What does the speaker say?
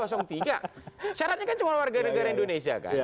syaratnya kan cuma warga negara indonesia kan